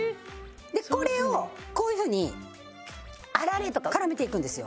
でこれをこういうふうにあられとか絡めていくんですよ。